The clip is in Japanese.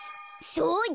そうだ！